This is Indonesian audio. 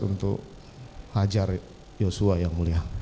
untuk hajar yosua yang mulia